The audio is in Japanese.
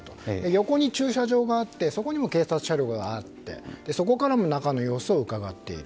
横に駐車場があってそこにも警察車両があってそこからも中の様子をうかがっている。